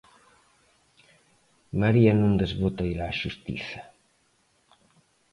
María non desbota ir á xustiza.